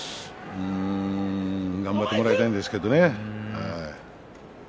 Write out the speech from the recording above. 頑張ってもらいたいんですけどね。